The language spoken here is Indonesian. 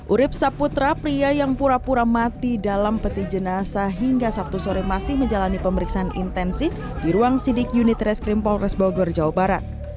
urib saputra pria yang pura pura mati dalam peti jenazah hingga sabtu sore masih menjalani pemeriksaan intensif di ruang sidik unit reskrim polres bogor jawa barat